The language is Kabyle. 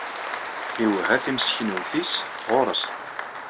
Iwehha timseknewt-nnes ɣur-s.